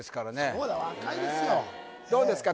そうだ若いですよどうですか？